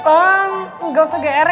enggak usah gr ya